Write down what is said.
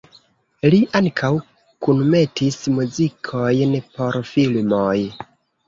Li ankaŭ kunmetis muzikojn por filmoj.